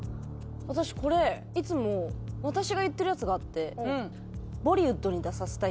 私これいつも私が言ってるやつがあって。